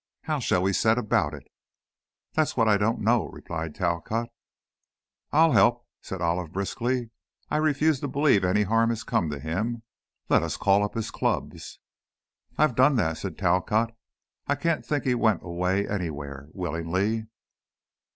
How shall we set about it?" "That's what I don't know," replied Talcott. "I'll help," said Olive, briskly. "I refuse to believe any harm has come to him. Let's call up his clubs." "I've done that," said Talcott. "I can't think he went away anywhere willingly."